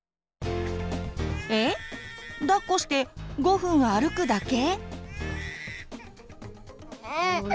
えっ⁉だっこして５分歩くだけ？